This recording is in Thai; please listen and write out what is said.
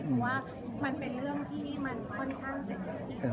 เพราะว่ามันเป็นเรื่องที่มันค่อนข้างเศรษฐีนะคะ